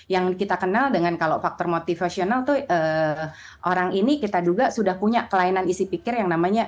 yang kita kenal dengan kalau faktor motivasional tuh orang ini kita duga sudah punya kelainan isi pikir yang namanya